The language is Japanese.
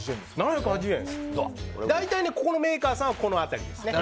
大体ここのメーカーさんはこの辺りです。